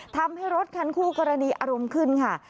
ทำให้รถคันคู่กรณีอารมณ์ขึ้นค่ะ